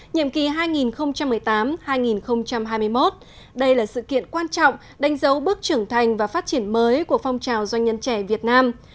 nhiệm kỳ hai nghìn một mươi tám hai nghìn hai mươi một đây là sự kiện quan trọng đánh dấu bước trưởng thành và phát triển mới của phong trào doanh nhân trẻ việt nam